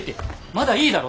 まだいいだろ？